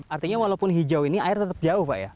artinya walaupun hijau ini air tetap jauh pak ya